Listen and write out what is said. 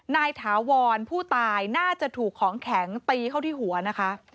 ถาวรผู้ตายน่าจะถูกของแข็งตีเข้าที่หัวนะคะ